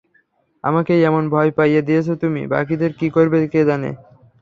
আমাকেই এমন ভয় পাইয়ে দিয়েছ তুমি, বাকিদের কী করবে কে জানে?